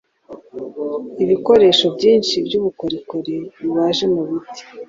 ibikoresho byinshi by’ubukorikori bibaje mu biti